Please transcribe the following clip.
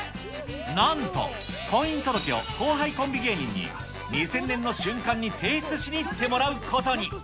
なんと、婚姻届を後輩コンビ芸人に２０００年の瞬間に提出しに行ってもらうことに。